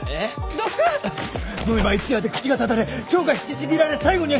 飲めば一夜で口がただれ腸が引きちぎられ最後には死ぬ！